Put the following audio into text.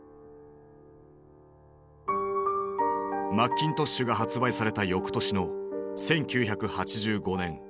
マッキントッシュが発売された翌年の１９８５年。